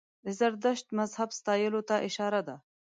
د زردشت مذهب ستایلو ته اشاره ده.